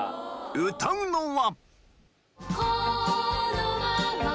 歌うのは